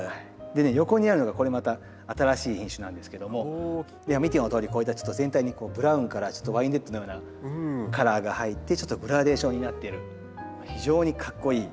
でね横にあるのがこれまた新しい品種なんですけども見てのとおりこういった全体にブラウンからワインレッドのようなカラーが入ってちょっとグラデーションになっている非常にかっこいい。